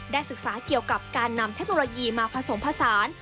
ศึกษาเกี่ยวกับการนำเทคโนโลยีมาผสมผสาน